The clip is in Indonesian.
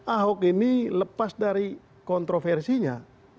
ahok ini lepas dari kontroversinya